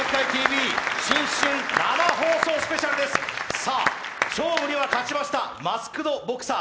さあ、勝負には勝ちました、マスク・ド・ボクサー。